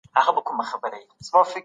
دا وزن دئ.